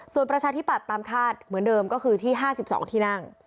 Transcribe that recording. ส่วนประชาธิปัตย์ตามคาดเหมือนเดิมก็คือที่๕๒ที่นั่ง